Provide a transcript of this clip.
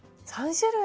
３種類！